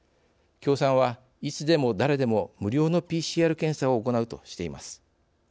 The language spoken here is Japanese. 共産は、「いつでも誰でも無料のＰＣＲ検査」を行うとしています。